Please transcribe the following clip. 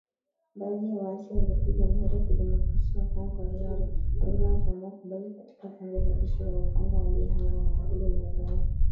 Baadhi ya waasi walirudi Jamhuri ya Kidemokrasia ya Kongo kwa hiari, wengine wakiamua kubaki katika kambi ya jeshi la Uganda ya Bihanga, magharibi mwa Uganda